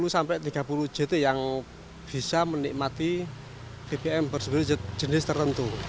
sepuluh sampai tiga puluh jt yang bisa menikmati bbm bersubsidi jenis tertentu